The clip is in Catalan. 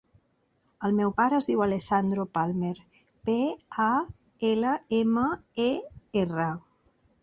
El meu pare es diu Alessandro Palmer: pe, a, ela, ema, e, erra.